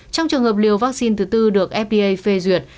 trong trường hợp liều vaccine thứ tư được fpa phê duyệt